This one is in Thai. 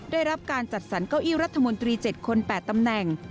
ได้รับการจัดสรรเก้าอี้รัฐมนตรี๗คน๘ตำแหน่ง